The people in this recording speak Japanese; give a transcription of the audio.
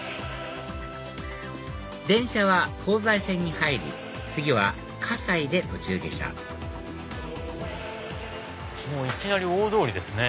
電車は東西線に入り次は西で途中下車いきなり大通りですね。